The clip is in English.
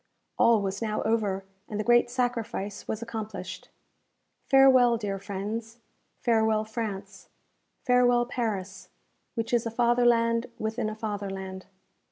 All was now over and the great sacrifice was accomplished. Farewell, dear friends Farewell, France Farewell, Paris, which is a fatherland within a fatherland!